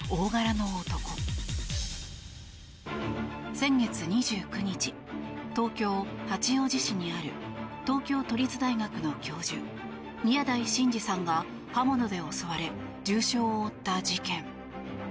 先月２９日東京・八王子市にある東京都立大学の教授宮台真司さんが刃物で襲われ重傷を負った事件。